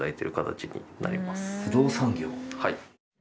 はい。